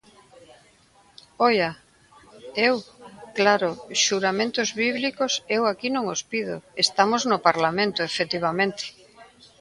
¡Oia!, eu, claro, xuramentos bíblicos eu aquí non os pido, estamos no Parlamento, efectivamente.